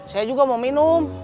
saya juga mau minum